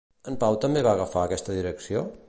En Pau també va agafar aquesta direcció?